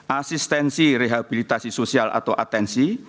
asistensi rehabilitasi sosial atau atensi